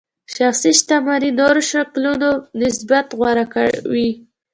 شخصي شتمنۍ نورو شکلونو نسبت غوره وي.